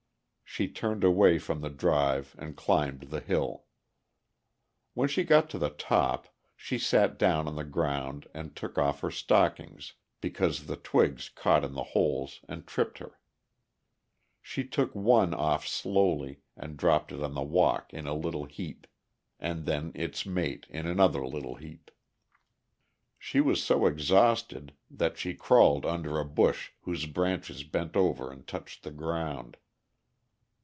She turned away from the drive and climbed the hill. When she got to the top, she sat down on the ground and took off her stockings because the twigs caught in the holes and tripped her. She took one off slowly, and dropped it on the walk in a little heap, and then its mate in another little heap. She was so exhausted that she crawled under a bush whose branches bent over and touched the ground.